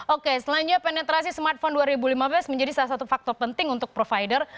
oke selanjutnya penetrasi smartphone dua ribu lima belas menjadi salah satu faktor penting untuk provider